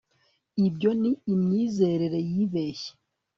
ibyo ni imyizerere yibeshye